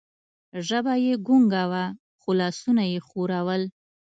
ژبه یې ګونګه وه، خو لاسونه یې ښورول.